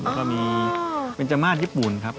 แล้วก็มีเบนจามาสญี่ปุ่นครับ